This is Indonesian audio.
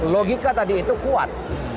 logika tadi itu kuat